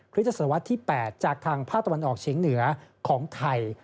คริสตสวรรค์ที่๘จากทางพระตะวันออกเฉียงเหนือของไทย